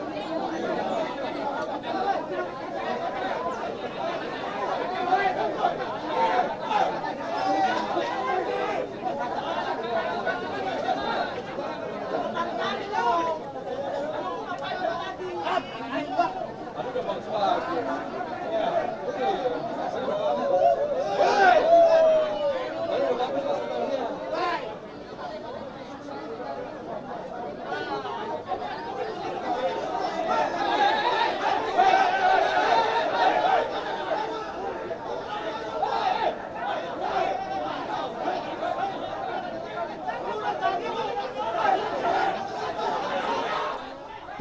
oke kita lihat